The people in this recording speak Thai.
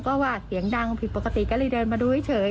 ก็ว่าเสียงดังผิดปกติก็เลยเดินมาดูเฉย